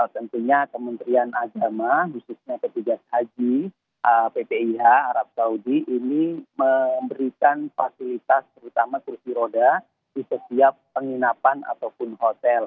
tentunya kementerian agama khususnya petugas haji ppih arab saudi ini memberikan fasilitas terutama kursi roda di setiap penginapan ataupun hotel